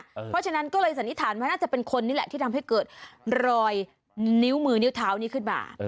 เพราะฉะนั้นก็เลยสันนิษฐานว่าน่าจะเป็นคนนี่แหละที่ทำให้เกิดรอยนิ้วมือนิ้วเท้านี้ขึ้นมา